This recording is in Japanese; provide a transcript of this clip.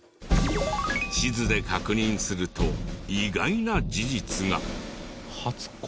地図で確認すると意外な事実が！